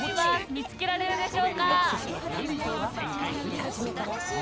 見つけられるでしょうか。